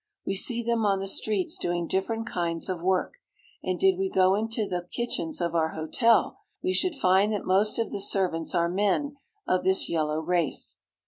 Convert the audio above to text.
We see them on the streets doing different kinds of work; and did we go iflto the kitchens of our hotel, we should find that most of the serv ants are men of this yellow race.